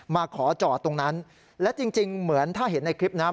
มาขอจอดตรงนั้นและจริงเหมือนถ้าเห็นในคลิปนะครับ